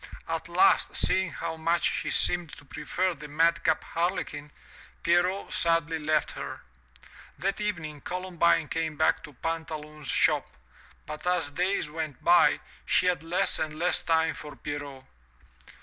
At last, seeing how much she seemed to prefer the madcap Harlequin, Pierrot sadly left her. That evening Columbine came back to Pantaloon's shop, but as days went by, she had less and less time for Pierrot.